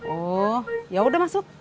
oh yaudah masuk